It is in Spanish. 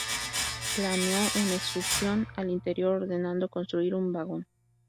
Planeó una excursión al interior, ordenando construir un vagón.